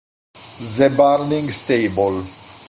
The Burning Stable